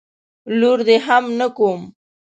لور دي هم نه کوم.